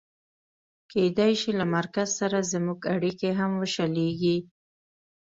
کېدای شي له مرکز سره زموږ اړیکې هم وشلېږي.